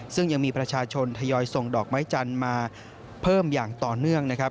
ซึ่งยังมีประชาชนทยอยส่งดอกไม้จันทร์มาเพิ่มอย่างต่อเนื่องนะครับ